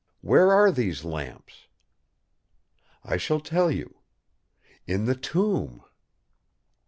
Where are these lamps? I shall tell you: In the tomb!